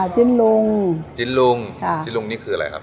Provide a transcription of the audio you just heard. จิ้นลุงจิ้นลุงจิ้นลุงนี่คืออะไรครับ